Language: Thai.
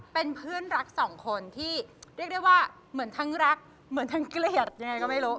เป็นเพื่อนรักสองคนที่เรียกได้ว่าเหมือนทั้งรักเหมือนทั้งเกลียดยังไงก็ไม่รู้